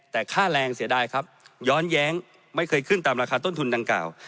แต่ค่าแรงเสียดายครับย้อนแย้งไม่เคยขึ้นตามราคาต้นทุนดังกล่าว